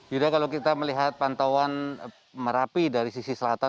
yuda kalau kita melihat pantauan merapi dari sisi selatan